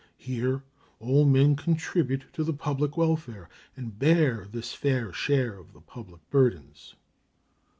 Here all men contribute to the public welfare and bear their fair share of the public burdens.